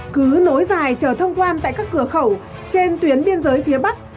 cứ nối dài chờ thông quan tại các cửa khẩu trên tuyến biên giới phía bắc